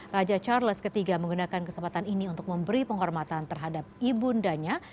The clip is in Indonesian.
raja charles iii menggunakan kesempatan ini untuk memberi penghormatan terhadap ibu undanya